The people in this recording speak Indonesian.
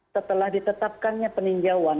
setelah ditetapkannya peninjauan